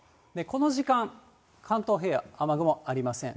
この時間、関東平野、雨雲ありません。